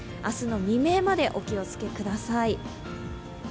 明日の未明までお気をつけください。